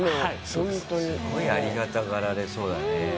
すごいありがたがられそうだね。